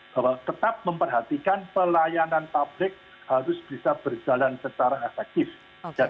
bahwa tetap memperhatikan pelayanan publik harus bisa berjalan secara efektif